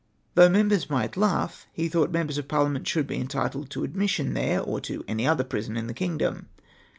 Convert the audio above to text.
Though members might laugh, he thought members of Parliament should be entitled to admission there, or to any other prison in the kingdom.